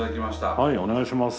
はいお願いします。